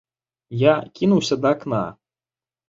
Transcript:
Я кінуўся да акна.